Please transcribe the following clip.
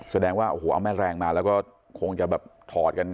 แสดงว่าโอ้นแม่นแรงมาแล้วก็คงจะแบบออกไปถอดกัน